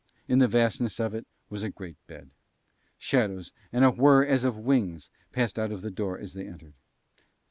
In the vastness of it was a great bed. Shadows and a whir as of wings passed out of the door as they entered.